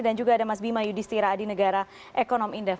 dan juga ada mas bima yudhistira adi negara ekonomi indef